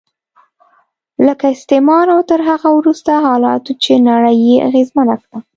لکه استعمار او تر هغه وروسته حالاتو چې نړۍ یې اغېزمنه کړه.